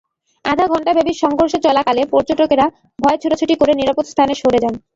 আধা ঘণ্টাব্যাপী সংঘর্ষ চলাকালে পর্যটকেরা ভয়ে ছোটাছুটি করে নিরাপদ স্থানে সরে যান।